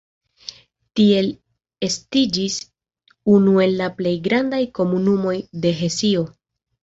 Tiel estiĝis unu el la plej grandaj komunumoj de Hesio.